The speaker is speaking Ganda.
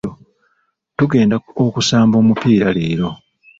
Tugenda okusamba omupiira leero.